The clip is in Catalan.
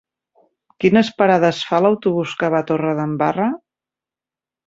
Quines parades fa l'autobús que va a Torredembarra?